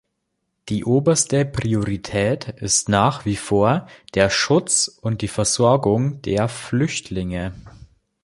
Die oberste Priorität ist nach wie vor der Schutz und die Versorgung der Flüchtlinge.